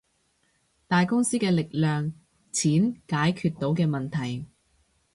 大公司嘅力量，錢解決到嘅問題